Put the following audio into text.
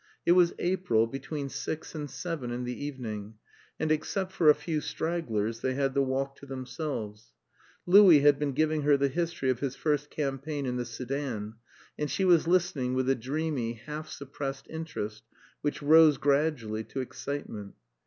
It was April, between six and seven in the evening, and, except for a few stragglers, they had the walk to themselves. Louis had been giving her the history of his first campaign in the Soudan, and she was listening with a dreamy, half suppressed interest, which rose gradually to excitement.